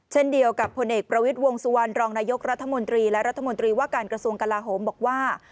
เช่นเดียวกับผลเอกประวิทย์วงสุวรรณรองนายกรัฐมนตรีและรัฐมนตรีว่าการกระทรวงกลาโหมบอกว่า